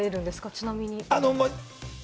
ちなみに。